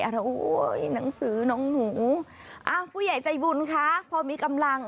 อ้าวเอ้ยหนังสือน้องหนูผู้ใหญ่ใจบุญค่ะพอมีกำลัง